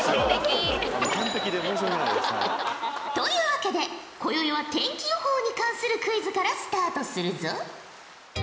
というわけでこよいは天気予報に関するクイズからスタートするぞ。